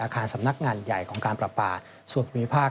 อาคารสำนักงานใหญ่ของการปราปาส่วนภูมิภาค